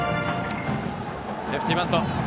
セーフティーバント。